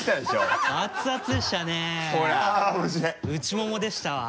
内ももでしたわ。